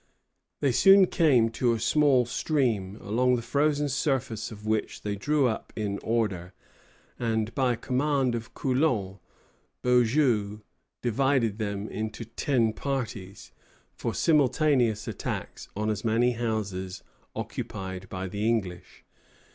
They soon came to a small stream, along the frozen surface of which they drew up in order, and, by command of Coulon, Beaujen divided them all into ten parties, for simultaneous attacks on as many houses occupied by the English.